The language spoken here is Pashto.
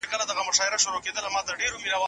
د نجونو ښوونځي په ځینو سیمو کي تړل سوي دي.